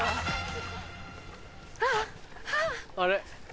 あれ？